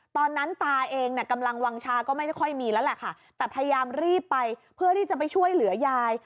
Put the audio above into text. ตอนนั้นตาเองน่ะกำลังวางชาก็ไม่ได้ค่อยมีแล้วแหละค่ะแต่พยายามรีบไปเพื่อที่จะไปช่วยเหลือยาย